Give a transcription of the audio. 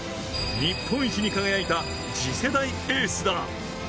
日本一に輝いた次世代エースだ。